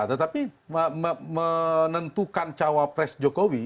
tetapi menentukan cawapres jokowi